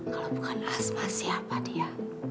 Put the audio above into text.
kalau bukan asma siapa dia